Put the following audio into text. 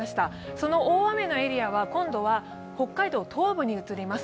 その大雨のエリアは今度は北海道東部に移ります。